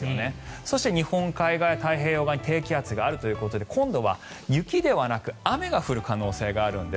そして日本海側や太平洋側に低気圧があるということで今度は雪ではなく雨が降る可能性があるんです。